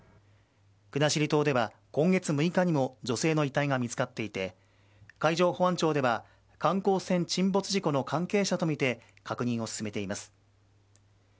国後島では今月３日にも女性の遺体が見つかっていて海上保安庁では観光船沈没事故の関係者とみて確認を進めています。